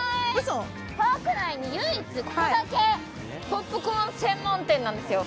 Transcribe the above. パーク内に唯一ここだけポップコーン専門店なんですよ。